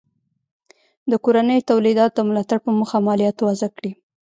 د کورنیو تولیداتو د ملاتړ په موخه مالیات وضع کړي.